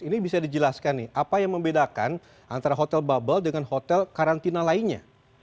ini bisa dijelaskan nih apa yang membedakan antara hotel bubble dengan hotel karantina lainnya